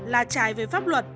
là trái về pháp luật